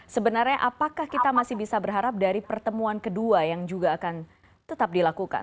sebenarnya apakah kita masih bisa berharap dari pertemuan kedua yang juga akan tetap dilakukan